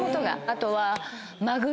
あとは。